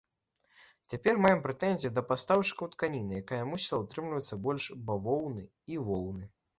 Цяпер маем прэтэнзіі да пастаўшчыкоў тканіны, якая мусіла утрымліваць больш бавоўны і воўны.